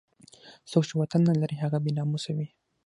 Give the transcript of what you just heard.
څوک چې وطن نه لري هغه بې ناموسه وي.